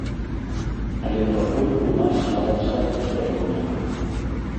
Але пакуль у нас нават сайта свайго няма.